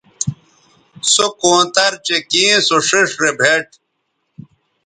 سو کونتر چہء کیں سو ݜئیݜ رے بھیٹ